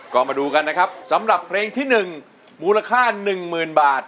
ก็มาดูกันนะครับสำหรับเพลงที่๑มูลค่า๑๐๐๐บาท